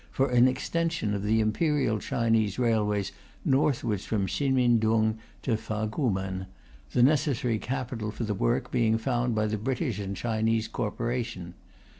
for an extension of the Imperial Chinese railways northwards from Hsin min Tung to Fa ku Men, the necessary capital for the work being found by the British and Chinese Corporation.